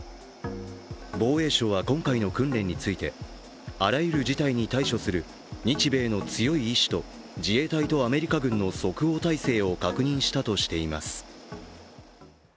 防衛省は今回の訓練について、あらゆる事態に対処する日米の強い意思と自衛隊とアメリカ軍の即応態勢を確認したとしています。